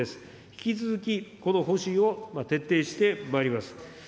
引き続きこの方針を徹底してまいります。